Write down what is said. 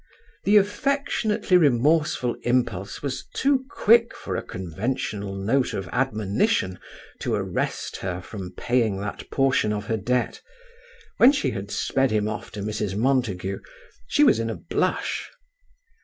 The affectionately remorseful impulse was too quick for a conventional note of admonition to arrest her from paying that portion of her debt. When she had sped him off to Mrs Montague, she was in a blush.